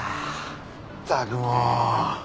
ったくもう！